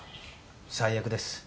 最悪です。